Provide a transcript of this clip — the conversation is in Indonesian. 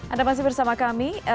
anda masih bersama kami